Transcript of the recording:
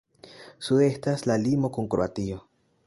Sude estas la limo kun Kroatio.